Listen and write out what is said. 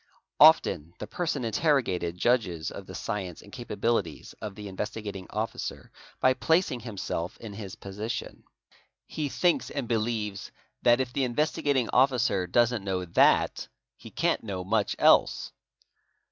Often the person interrogated judges of > science and capabilities of the Investigating Officer by placing himself Bis position. He thinks and believes "that if the Investigating Officer sn't know that he can't know much else."